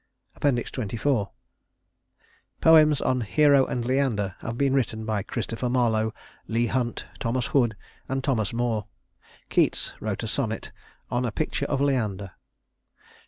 XXIV Poems on "Hero and Leander" have been written by Chistopher Marlowe, Leigh Hunt, Thomas Hood, and Thomas Moore. Keats wrote a sonnet, "On a Picture of Leander."